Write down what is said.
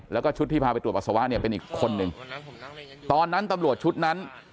แล้วก็ชุดที่พาไปตรวจปัสสาวะเนี่ยเป็นอีกคนนึงตอนนั้นตำรวจชุดนั้น